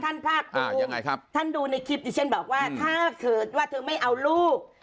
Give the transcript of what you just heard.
ภาคภูมิท่านดูในคลิปอยู่เช่นบอกว่าถ้าเกิดว่าเธอไม่เอาลูก